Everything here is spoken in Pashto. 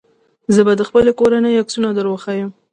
زه به د خپلې کورنۍ عکسونه دروښيم.